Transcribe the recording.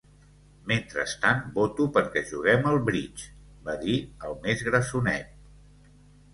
"Mentrestant, voto perquè juguem al bridge", va dir el més grassonet.